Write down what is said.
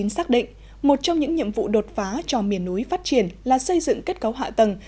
xác định một trong những nhiệm vụ đột phá cho miền núi phát triển là xây dựng kết cấu hạ tầng